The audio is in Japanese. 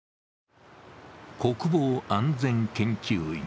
国防安全研究院。